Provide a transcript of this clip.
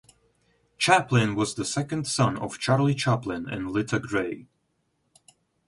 Chaplin was the second son of Charlie Chaplin and Lita Grey.